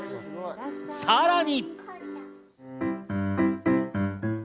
さらに。